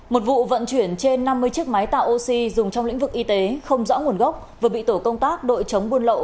một vụ vận chuyển trên năm mươi chiếc máy tạo oxy dùng trong lĩnh vực y tế không rõ nguồn gốc vừa bị tổ công tác đội chống buôn lậu